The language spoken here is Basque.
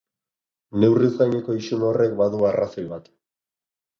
Neurriz gaineko isun horrek badu arrazoi bat.